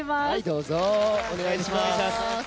どうぞ、お願いします。